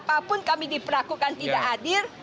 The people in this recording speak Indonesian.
apapun kami diperlakukan tidak hadir